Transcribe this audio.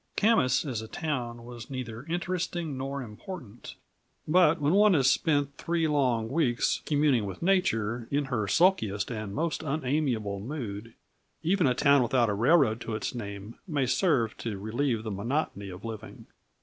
Camas as a town was neither interesting nor important; but when one has spent three long weeks communing with nature in her sulkiest and most unamiable mood, even a town without a railroad to its name may serve to relieve the monotony of living.